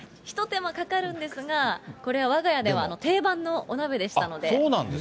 一手間かかるんですが、これはわが家では定番のお鍋でしたので。